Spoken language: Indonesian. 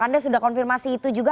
anda sudah konfirmasi itu juga